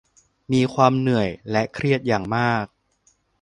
มีความเหนื่อยและเครียดอย่างมาก